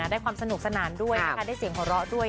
ได้ความสนุกสนานด้วยนะคะได้เสียงหัวเราะด้วย